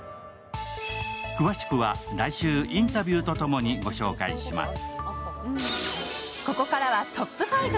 詳しくは来週インタビューとともにご紹介します。